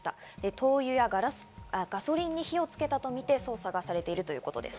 灯油やガソリンに火をつけたとみて捜査しているということです。